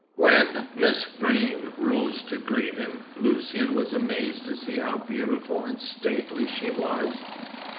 When Miss Vrain rose to greet him, Lucian was amazed to see how beautiful and stately she was.